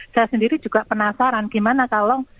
saya sendiri juga penasaran gimana kalau